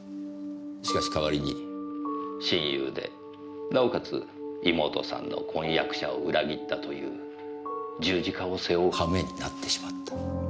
しかし代わりに親友でなおかつ妹さんの婚約者を裏切ったという十字架を背負う羽目になってしまった。